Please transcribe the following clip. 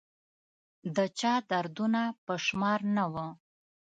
د چا دردونه په شمار نه وه